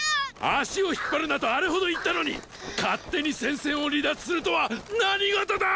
足を引っ張るなとあれほど言ったのに勝手に戦線を離脱するとは何事だ！！